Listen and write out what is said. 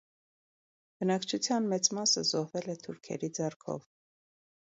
Բնակչության մեծ մասը զոհվել է թուրքերի ձեռքով։